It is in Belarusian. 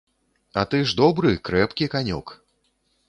А ты ж добры, крэпкі канёк.